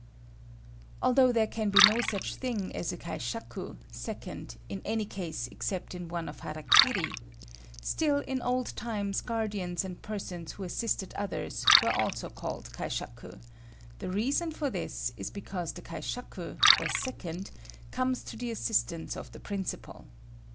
Although there can be no such thing as a kaishaku (second) in any case except in one of hara kiri, still in old times guardians and persons who assisted others were also called kaishaku: the reason for this is because the kaishaku, or second, comes to the assistance of the principal.